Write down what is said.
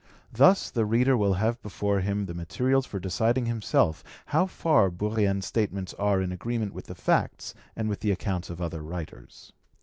Thus the reader will have before him the materials for deciding himself how far Bourrienne's statements are in agreement with the facts and with the accounts of other writers.